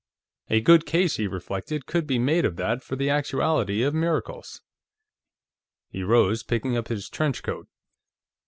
A good case, he reflected, could be made of that for the actuality of miracles. He rose, picking up his trench coat.